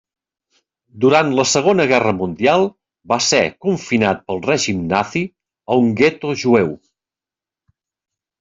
Durant la Segona Guerra Mundial va ser confinat pel règim nazi a un gueto jueu.